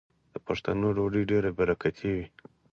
د پښتنو ډوډۍ ډیره برکتي وي.